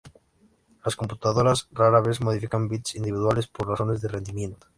Las computadoras rara vez modifican bits individuales por razones de rendimiento.